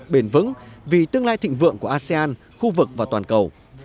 bền vững vì tương lai thịnh vượng của asean khu vực và toàn cầu